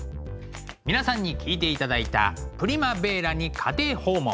皆さんに聴いていただいた「プリマヴェーラに家庭訪問」。